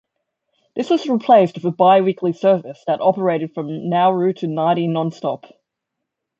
This was replaced with a bi-weekly service that operated from Nauru to Nadi nonstop.